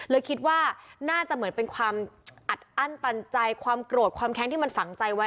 คิดว่าน่าจะเหมือนเป็นความอัดอั้นตันใจความโกรธความแค้นที่มันฝังใจไว้